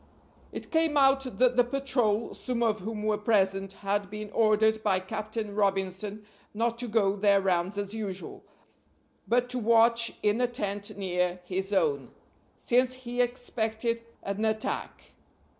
It came out that the patrol, some of whom were present, had been ordered by Captain Robinson not to go their rounds as usual, but to watch in a tent near his own, since he expected an attack.